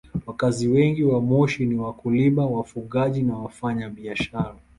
Wakazi wengi wa Moshi ni wakulima, wafugaji na wafanyabiashara.